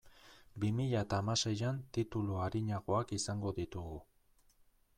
Bi mila eta hamaseian titulu arinagoak izango ditugu.